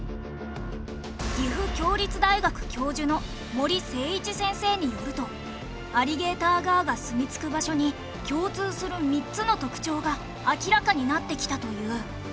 岐阜協立大学教授の森誠一先生によるとアリゲーターガーがすみ着く場所に共通する３つの特徴が明らかになってきたという。